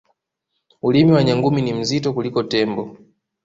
ulimi wa nyangumi ni mzito kuliko tembo